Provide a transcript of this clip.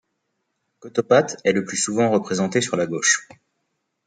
Cautopates est le plus souvent représenté sur la gauche.